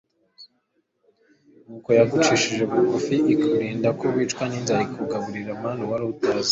Nuko yagucishije bugufi ikurinda ko wicwa n'inzara ikugaburira manu wari utazi,